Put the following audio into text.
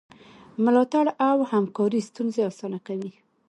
ملاتړ او همکاري ستونزې اسانه کوي.